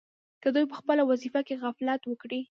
که دوی په خپله وظیفه کې غفلت وکړي.